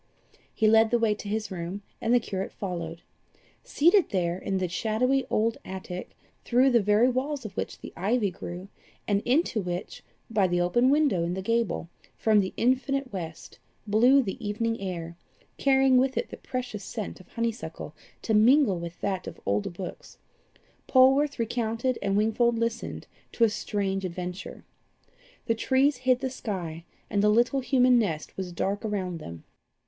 He led the way to his room, and the curate followed. Seated there, in the shadowy old attic, through the very walls of which the ivy grew, and into which, by the open window in the gable, from the infinite west, blew the evening air, carrying with it the precious scent of honeysuckle, to mingle with that of old books, Polwarth recounted and Wingfold listened to a strange adventure. The trees hid the sky, and the little human nest was dark around them.